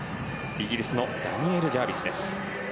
イギリスのダニエル・ジャービスです。